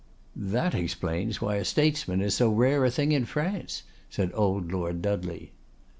"That explains why a statesman is so rare a thing in France," said old Lord Dudley.